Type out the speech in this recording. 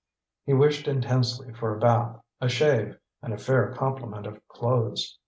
He wished intensely for a bath, a shave, and a fair complement of clothes.